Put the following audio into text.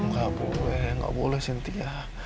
engga boleh engga boleh cynthia